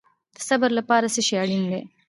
د صبر لپاره څه شی اړین دی؟